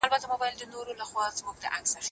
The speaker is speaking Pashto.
ظالم ته بايد د ظلم کولو اجازه ورنکړل سي.